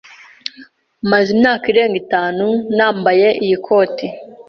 Maze imyaka irenga itanu nambaye iyi koti.